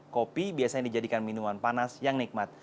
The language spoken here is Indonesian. kopi biasanya dijadikan minuman panas yang nikmat